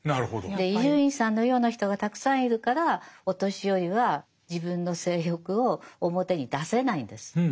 で伊集院さんのような人がたくさんいるからお年寄りは自分の性欲を表に出せないんです。